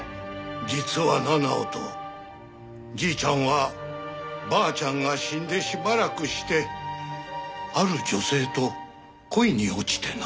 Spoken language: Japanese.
実はな直人じいちゃんはばあちゃんが死んでしばらくしてある女性と恋に落ちてな。